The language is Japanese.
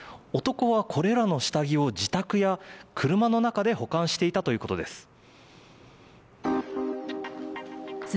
男はこれらの下着を自宅や車の中で保管していたということです。